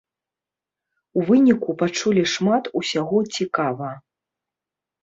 У выніку пачулі шмат усяго цікава.